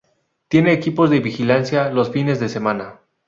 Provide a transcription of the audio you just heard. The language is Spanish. Tiene equipos de vigilancia los fines de semana.